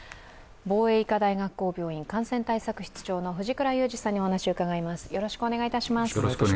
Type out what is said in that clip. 防衛医科大学校病院感染対策室長の藤倉雄二さんにお話を伺います。